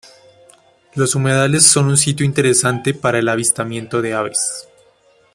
Los humedales son un sitio interesante para el avistamiento de aves.